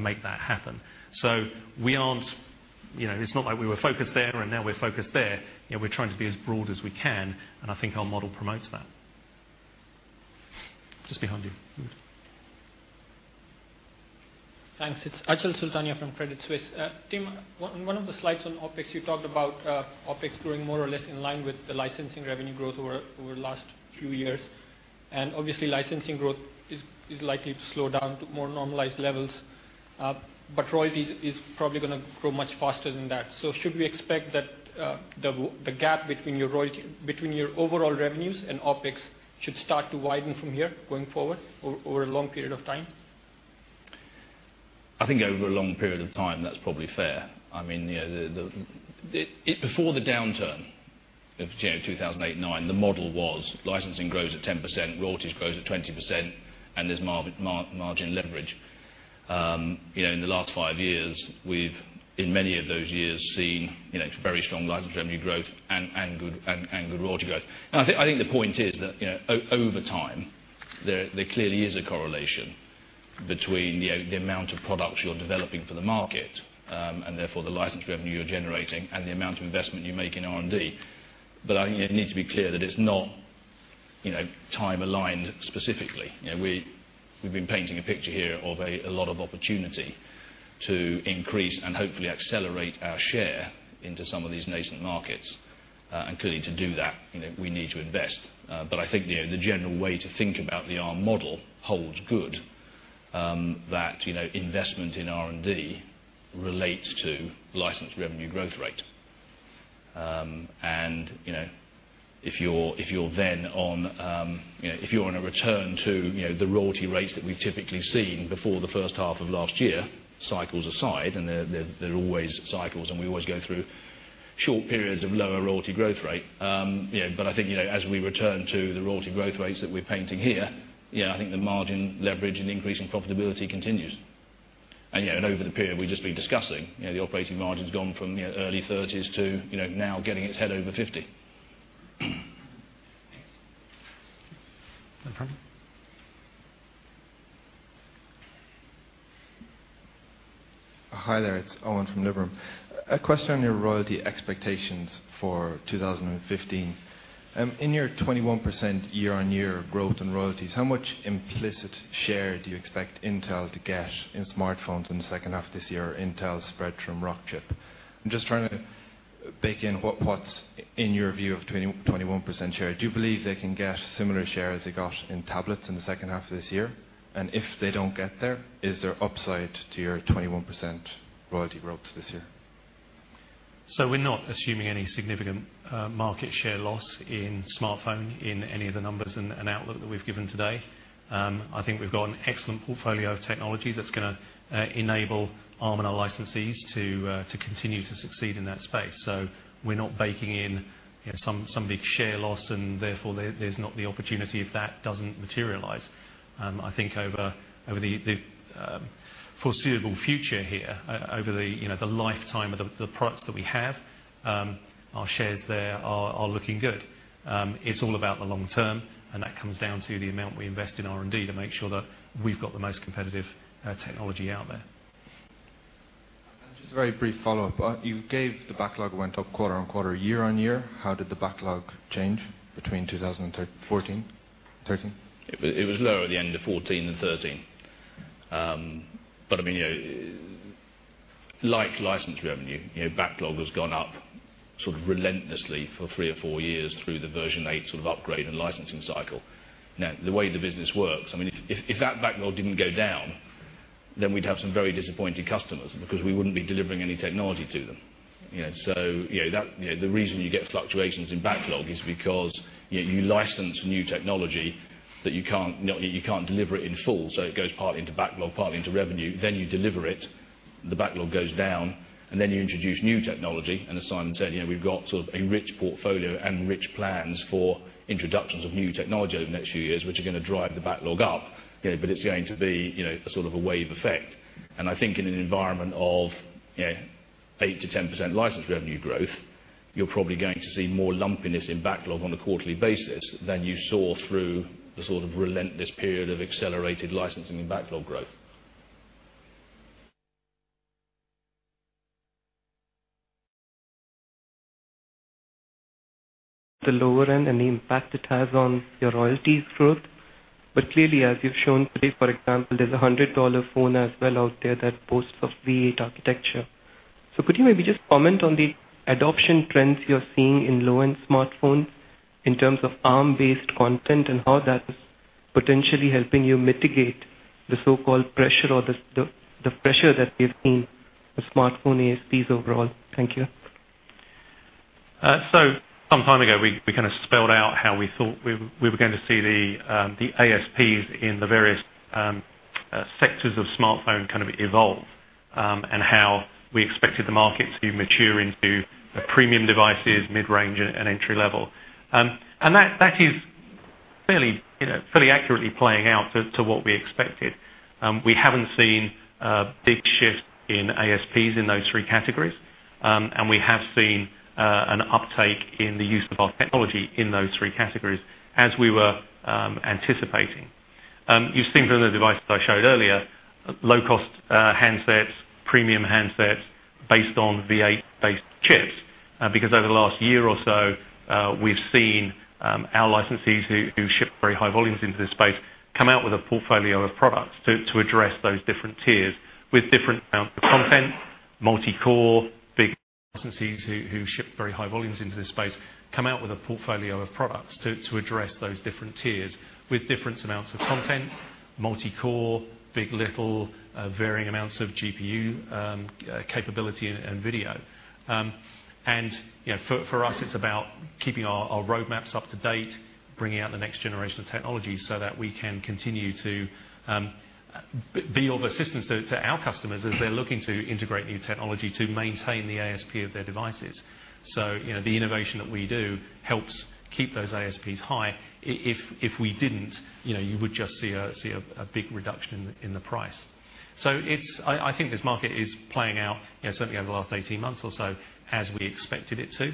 make that happen? It's not like we were focused there and now we're focused there. We're trying to be as broad as we can, and I think our model promotes that. Just behind you. Thanks. It's Achal Sultania from Credit Suisse. Tim, on one of the slides on OpEx, you talked about OpEx growing more or less in line with the licensing revenue growth over the last few years. Obviously, licensing growth is likely to slow down to more normalized levels. Royalties is probably going to grow much faster than that. Should we expect that the gap between your overall revenues and OpEx should start to widen from here going forward over a long period of time? I think over a long period of time, that's probably fair. Before the downturn of 2008 and 2009, the model was licensing grows at 10%, royalties grows at 20%, and there's margin leverage. In the last five years, we've, in many of those years, seen very strong license revenue growth and good royalty growth. I think the point is that, over time, there clearly is a correlation between the amount of products you're developing for the market, and therefore the license revenue you're generating, and the amount of investment you make in R&D. I think it needs to be clear that it's not time aligned specifically. We've been painting a picture here of a lot of opportunity to increase and hopefully accelerate our share into some of these nascent markets. Clearly to do that, we need to invest. I think the general way to think about the Arm model holds good, that investment in R&D relates to license revenue growth rate. If you want to return to the royalty rates that we've typically seen before the first half of last year, cycles aside, there are always cycles, and we always go through short periods of lower royalty growth rate. I think as we return to the royalty growth rates that we're painting here, I think the margin leverage and increase in profitability continues. Over the period we've just been discussing, the operating margin's gone from the early 30s to now getting its head over 50. Thanks. In front. Hi there. It's Eoin from Liberum. A question on your royalty expectations for 2015. In your 21% year-over-year growth in royalties, how much implicit share do you expect Intel to get in smartphones in the second half of this year, Intel, Spreadtrum, Rockchip? I'm just trying to bake in what's in your view of 21% share. Do you believe they can get similar share as they got in tablets in the second half of this year? If they don't get there, is there upside to your 21% royalty growth this year? We're not assuming any significant market share loss in smartphone in any of the numbers and outlook that we've given today. I think we've got an excellent portfolio of technology that's going to enable Arm and our licensees to continue to succeed in that space. We're not baking in some big share loss, and therefore there's not the opportunity if that doesn't materialize. I think over the foreseeable future here, over the lifetime of the products that we have, our shares there are looking good. It's all about the long term, and that comes down to the amount we invest in R&D to make sure that we've got the most competitive technology out there. Just a very brief follow-up. You gave the backlog went up quarter-over-quarter, year-over-year. How did the backlog change between 2014 and 2013? It was lower at the end of 2014 than 2013. Like license revenue, backlog has gone up relentlessly for three or four years through the V8 upgrade and licensing cycle. Now, the way the business works, if that backlog didn't go down, then we'd have some very disappointed customers because we wouldn't be delivering any technology to them. The reason you get fluctuations in backlog is because you license new technology that you can't deliver it in full, so it goes partly into backlog, partly into revenue. You deliver it, the backlog goes down, and then you introduce new technology. As Simon said, we've got a rich portfolio and rich plans for introductions of new technology over the next few years, which are going to drive the backlog up. It's going to be a wave effect. I think in an environment of 8%-10% license revenue growth, you're probably going to see more lumpiness in backlog on a quarterly basis than you saw through the relentless period of accelerated licensing and backlog growth. The lower end and the impact it has on your royalties growth. Clearly, as you've shown today, for example, there's a GBP 100 phone as well out there that boasts of V8 architecture. Could you maybe just comment on the adoption trends you're seeing in low-end smartphones in terms of Arm-based content and how that is potentially helping you mitigate the so-called pressure or the pressure that we've seen with smartphone ASPs overall? Thank you. Some time ago, we kind of spelled out how we thought we were going to see the ASPs in the various sectors of smartphone kind of evolve, and how we expected the market to mature into premium devices, mid-range, and entry-level. That is fairly accurately playing out to what we expected. We haven't seen a big shift in ASPs in those three categories, and we have seen an uptake in the use of our technology in those three categories as we were anticipating. You've seen from the devices I showed earlier, low-cost handsets, premium handsets based on V8-based chips. Over the last year or so, we've seen our licensees who ship very high volumes into this space come out with a portfolio of products to address those different tiers with different amounts of content, multi-core, big. LITTLE, varying amounts of GPU capability and video. For us, it's about keeping our roadmaps up to date, bringing out the next generation of technology so that we can continue to be of assistance to our customers as they're looking to integrate new technology to maintain the ASP of their devices. The innovation that we do helps keep those ASPs high. If we didn't, you would just see a big reduction in the price. I think this market is playing out, certainly over the last 18 months or so, as we expected it to.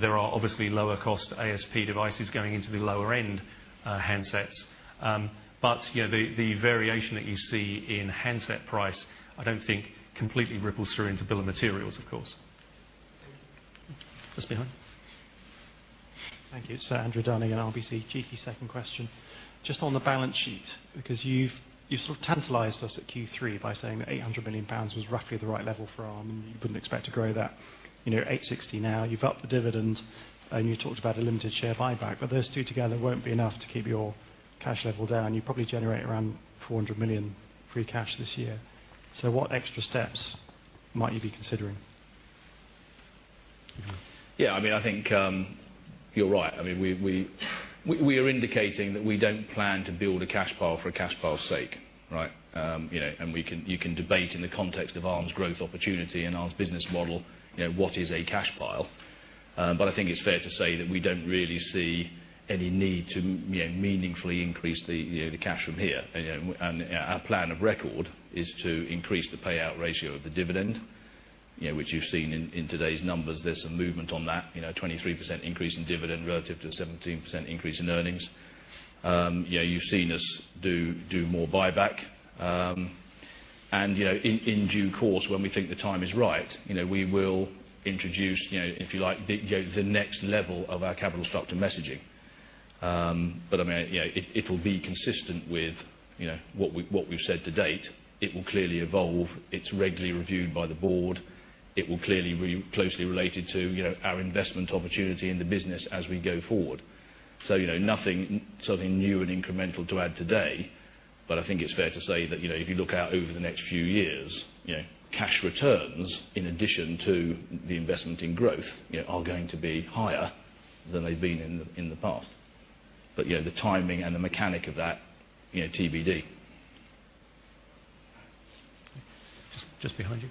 There are obviously lower cost ASP devices going into the lower-end handsets. The variation that you see in handset price, I don't think completely ripples through into bill of materials, of course. Just behind. Thank you, sir. Andrew Dunn at RBC. Cheeky second question. Just on the balance sheet, because you've sort of tantalized us at Q3 by saying that 800 million pounds was roughly the right level for Arm, and you wouldn't expect to grow that. You're at 860 million now. You've upped the dividend, and you talked about a limited share buyback. Those two together won't be enough to keep your cash level down. You probably generate around 400 million free cash this year. What extra steps might you be considering? I think you're right. We are indicating that we don't plan to build a cash pile for a cash pile's sake, right? You can debate in the context of Arm's growth opportunity and Arm's business model, what is a cash pile. I think it's fair to say that we don't really see any need to meaningfully increase the cash from here. Our plan of record is to increase the payout ratio of the dividend, which you've seen in today's numbers. There's some movement on that, 23% increase in dividend relative to 17% increase in earnings. You've seen us do more buyback. In due course, when we think the time is right, we will introduce, if you like, the next level of our capital structure messaging. It'll be consistent with what we've said to date. It will clearly evolve. It's regularly reviewed by the board. It will clearly be closely related to our investment opportunity in the business as we go forward. Nothing new and incremental to add today, I think it's fair to say that if you look out over the next few years, cash returns, in addition to the investment in growth, are going to be higher than they've been in the past. The timing and the mechanic of that, TBD. Just behind you.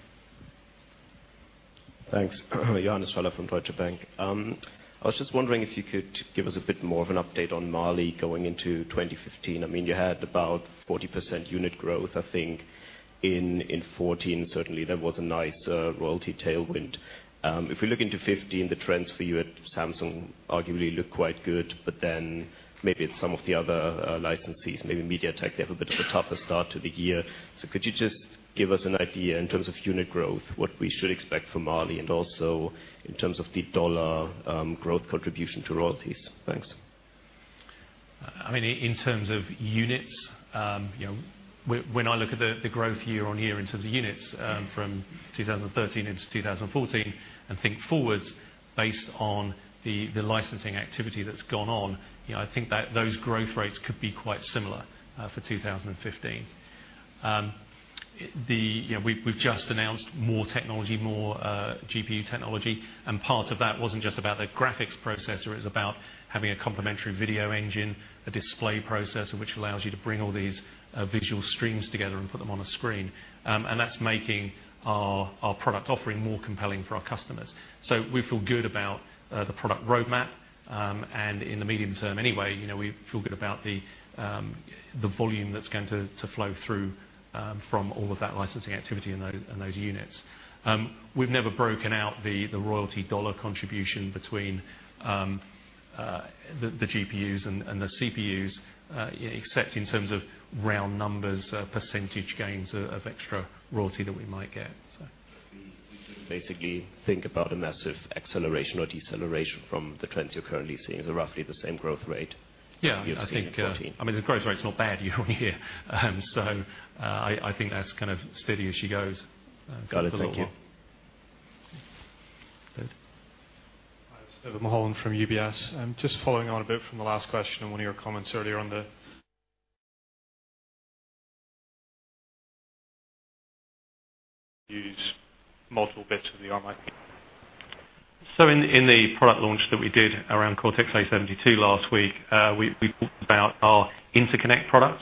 Thanks. Johannes Schaller from Deutsche Bank. I was just wondering if you could give us a bit more of an update on Mali going into 2015. You had about 40% unit growth, I think, in 2014. Certainly, there was a nice royalty tailwind. We look into 2015, the trends for you at Samsung arguably look quite good. Maybe at some of the other licensees, maybe MediaTek, they have a bit of a tougher start to the year. Could you just give us an idea in terms of unit growth, what we should expect from Mali, and also in terms of deep GBP growth contribution to royalties? Thanks. In terms of units, when I look at the growth year on year in terms of units from 2013 into 2014 and think forwards based on the licensing activity that's gone on, I think that those growth rates could be quite similar for 2015. We've just announced more technology, more GPU technology. Part of that wasn't just about the graphics processor, it's about having a complementary video engine, a display processor, which allows you to bring all these visual streams together and put them on a screen. That's making our product offering more compelling for our customers. We feel good about the product roadmap. In the medium term anyway, we feel good about the volume that's going to flow through from all of that licensing activity and those units. We've never broken out the royalty GBP contribution between the GPUs and the CPUs, except in terms of round numbers, percentage gains of extra royalty that we might get. We shouldn't basically think about a massive acceleration or deceleration from the trends you're currently seeing. They're roughly the same growth rate you've seen in 2014. Yeah. The growth rate's not bad year-over-year. I think that's kind of steady as she goes. Got it. Thank you. A little more. David Mulholland from UBS. Just following on a bit from the last question and one of your comments earlier on the use multiple bits of the Arm IP. In the product launch that we did around Cortex-A72 last week, we talked about our interconnect products.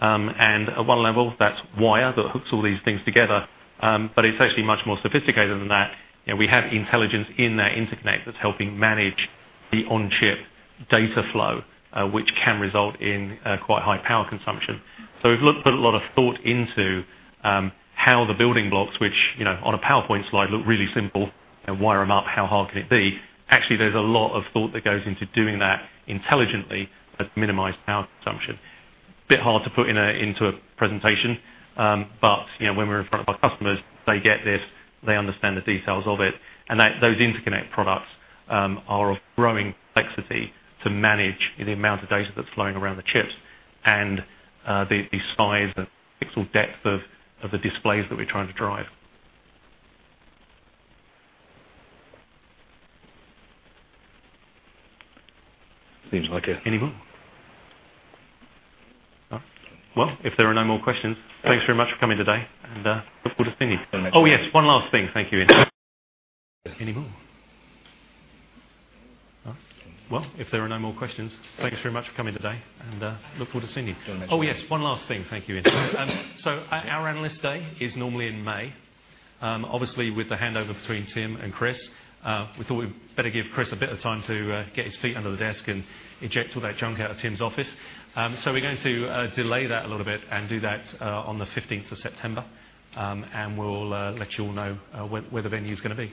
At one level, that's wire that hooks all these things together. It's actually much more sophisticated than that. We have intelligence in that interconnect that's helping manage the on-chip data flow, which can result in quite high power consumption. We've put a lot of thought into how the building blocks, which on a PowerPoint slide look really simple and wire them up, how hard can it be? Actually, there's a lot of thought that goes into doing that intelligently that minimize power consumption. Bit hard to put into a presentation. When we're in front of our customers, they get this, they understand the details of it, and those interconnect products are of growing complexity to manage the amount of data that's flowing around the chips and the size and pixel depth of the displays that we're trying to drive. Seems like it. Any more? No? Well, if there are no more questions, thanks very much for coming today, and look forward to seeing you. Oh yes, one last thing. Thank you. Any more? No? Well, if there are no more questions, thank you very much for coming today, and look forward to seeing you. Oh yes, one last thing. Thank you. Our analyst day is normally in May. Obviously, with the handover between Tim and Chris, we thought we better give Chris a bit of time to get his feet under the desk and eject all that junk out of Tim's office. We're going to delay that a little bit and do that on the 15th of September. We'll let you all know where the venue's going to be.